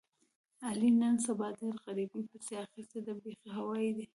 علي نن سبا ډېر غریبۍ پسې اخیستی دی بیخي هوایي دی.